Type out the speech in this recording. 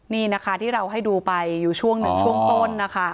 นี่นะคะที่เราให้ดูไปอยู่ช่วงหนึ่งช่วงต้นนะคะ